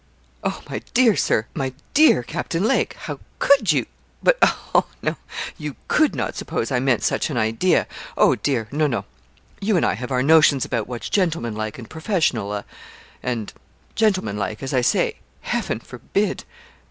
Oh, my dear Sir, my dear Captain Lake, how could you but, oh! no you could not suppose I meant such an idea oh, dear no, no. You and I have our notions about what's gentlemanlike and professional a and gentlemanlike, as I say Heaven forbid.'